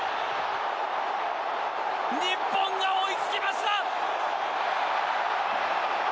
日本が追いつきました。